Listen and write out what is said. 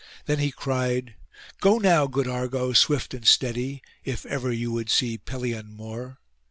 Then he cried, 'Go now, good Argo, swift and steady, if ever you would see Pelion more.